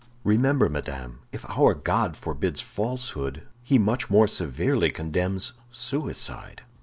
Remember, madame, if our God forbids falsehood, he much more severely condemns suicide."